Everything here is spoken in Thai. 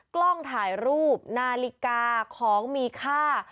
กล้องถ่ายรูปนาฬิกาของมีค่า